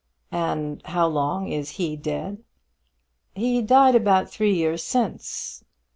"And how long is he dead?" "He died about three years since.